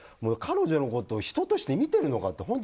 彼女のことを人として見てるのかって。